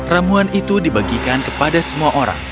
ramuan itu dibagikan kepada semua orang